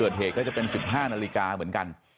เกิดเหตุก็จะเป็น๑๕นาฬิกาเหมือนกัน